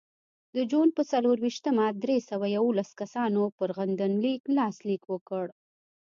د جون په څلرویشتمه درې سوه یوولس کسانو پر غندنلیک لاسلیک وکړ.